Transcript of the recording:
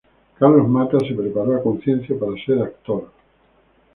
Carlos Mata se preparó a conciencia para ser actor.